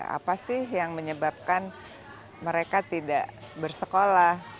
apa sih yang menyebabkan mereka tidak bersekolah